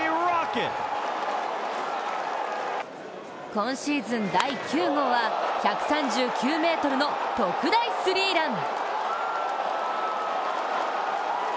今シーズン第９号は１３９ｍの特大スリーラン。